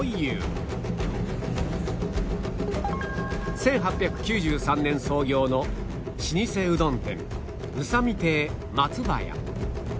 １８９３年創業の老舗うどん店うさみ亭マツバヤ